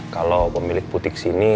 kalau pemilik putih sini